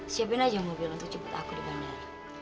siapin aja mobil untuk jemput aku di bandar